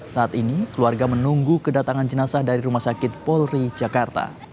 saat ini keluarga menunggu kedatangan jenazah dari rumah sakit polri jakarta